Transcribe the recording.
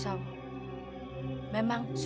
sudahlah tidak perlu risau